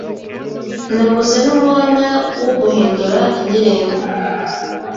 Nabuze numwanya wo guhindura indirimbo